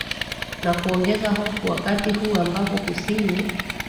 na kuongeza hofu wakati huu ambapo kusini